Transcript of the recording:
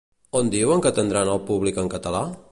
On diuen que atendran al públic en català?